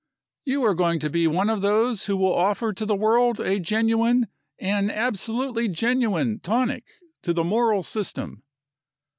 You are going to be one of those who will offer to the world a genuine an absolutely genuine tonic to the moral system."